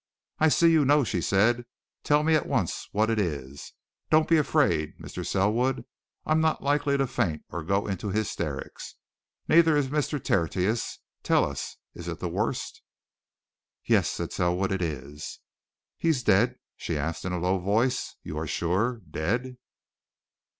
"I see you know," she said. "Tell me at once what it is. Don't be afraid, Mr. Selwood I'm not likely to faint nor to go into hysterics. Neither is Mr. Tertius. Tell us is it the worst?" "Yes," said Selwood. "It is." "He is dead?" she asked in a low voice. "You are sure? Dead?"